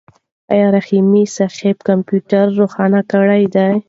آیا رحیمي صیب کمپیوټر روښانه کړی دی؟